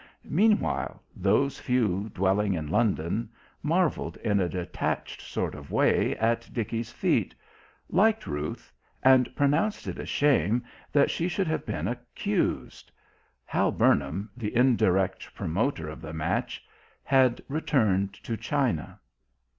Meanwhile, those few dwelling in London marvelled in a detached sort of way at Dickie's feat, liked Ruth, and pronounced it a shame that she should have been accused. Hal Burnham, the indirect promoter of the match, had returned to China.